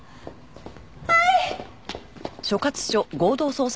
はい！